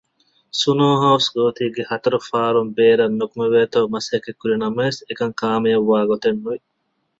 ސުނޯހައުސް ގޯތީގެ ހަތަރު ފާރުން ބޭރަށް ނުކުމެވޭތޯ މަސައްކަތްކުރި ނަމަވެސް އެކަން ކާމިޔާބުވާ ގޮތެއް ނުވި